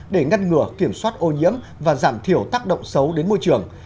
để ngăn ngừa kiểm soát ô nhiễm và giảm thiểu tác động xấu đến môi trường